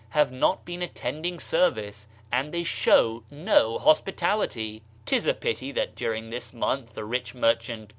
have not been attending service and they show no hos pitality; 'tis a pity that during this month the rich merchant